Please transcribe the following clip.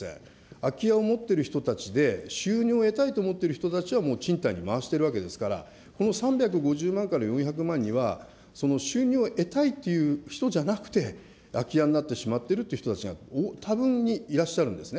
空き家を持っている人たちで収入を得たいと思っている人たちはもう賃貸に回しているわけですから、この３５０万から４００万には、その収入を得たいっていう人たちじゃなくて、空き家になってしまっているっていう人たちが多分にいらっしゃるんですね。